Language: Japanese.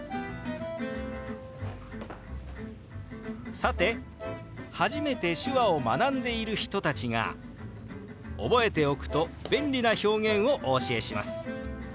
さて初めて手話を学んでいる人たちが覚えておくと便利な表現をお教えします。